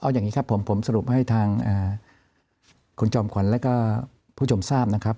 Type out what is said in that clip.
เอาอย่างนี้ครับผมผมสรุปให้ทางคุณจอมขวัญแล้วก็ผู้ชมทราบนะครับ